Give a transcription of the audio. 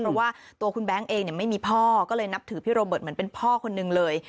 เพราะว่าตัวคุณแบงค์เองไม่มีพ่อก็เลยนับถือพี่โรเบิร์ตเหมือนเป็นพ่อคนนึงเลย